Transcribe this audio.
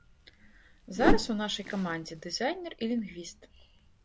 Зараз у нашай камандзе дызайнер і лінгвіст.